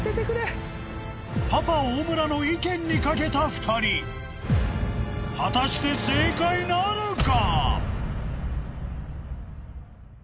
パパ大村の意見に賭けた２人果たして正解なるか？